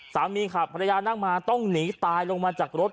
สามีขับภรรยานั่งมาต้องหนีตายลงมาจากรถ